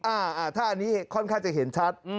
อ่าถ้าอันนี้ค่อนข้างจะเห็นชัด